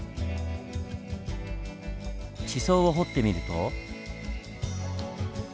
地層を掘ってみると。